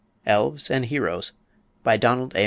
ELVES AND HEROES BY DONALD A.